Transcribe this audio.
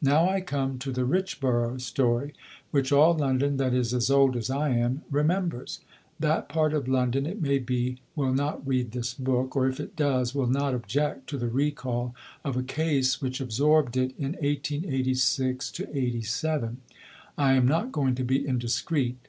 Now I come, to the Richborough story, which all London that is as old as I am remembers. That part of London, it may be, will not read this book; or if it does, will not object to the recall of a case which absorbed it in 1886 87. I am not going to be indiscreet.